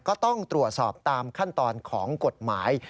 ก็ต้องตรวจสอบตามขั้นตอนของกฎหมาย